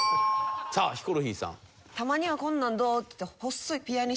さあヒコロヒーさん。